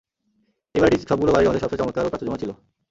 এই বাড়ীটি সবগুলো বাড়ীর মাঝে সবচেয়ে চমৎকার ও প্রাচুর্যময় ছিল।